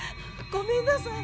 ごめんなさい。